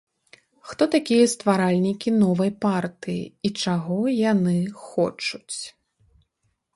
Хто такія стваральнікі новай партыі, і чаго яны хочуць?